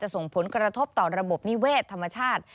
ส่งผลกระทบต่อระบบนิเวศธรรมชาติ